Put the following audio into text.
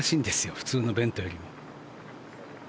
普通のベントよりも。